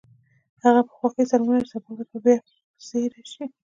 هغه په خوښۍ سره ومنله چې سبا ورځ بیا پسې راشي